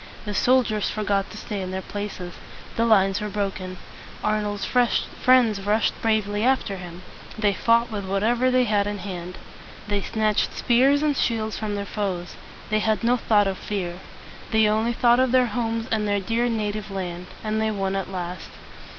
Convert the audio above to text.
The soldiers forgot to stay in their places. The lines were broken. Arnold's friends rushed bravely after him. They fought with whatever they had in hand. They snatched spears and shields from their foes. They had no thought of fear. They only thought of their homes and their dear native land. And they won at last.